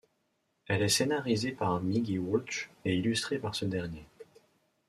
Elle est scénarisée par Mig et Waltch et illustrée par ce dernier.